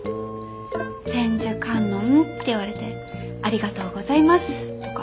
千手観音って言われて「ありがとうございます」とか。